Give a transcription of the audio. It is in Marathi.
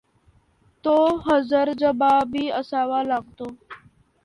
तो हजरजबाबी असावा लागतो.